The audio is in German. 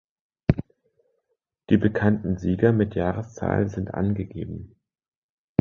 Die bekannten Sieger mit Jahreszahl sind angegeben.